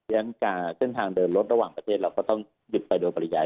ฉะเส้นทางเดินรถระหว่างประเทศเราก็ต้องหยุดไปโดยปริยาย